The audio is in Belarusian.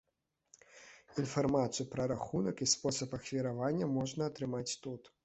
Інфармацыю пра рахунак і спосаб ахвяравання можна атрымаць тут.